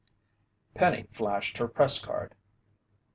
Penny flashed her press card.